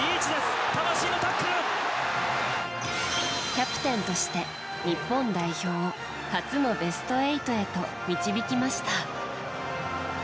キャプテンとして日本代表を初のベスト８へと導きました。